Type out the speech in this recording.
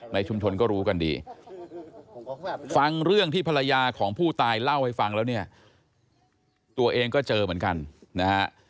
ในชุมชนก็รู้กันดีฟังเรื่องที่ภรรยาของผู้ตายเล่าให้ฟังแล้วเนี่ยตัวเองก็เจอเหมือนกันนะฮะ